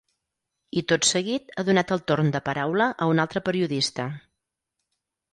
I tot seguit ha donat el torn de paraula a un altre periodista.